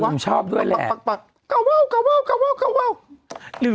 กระเว่า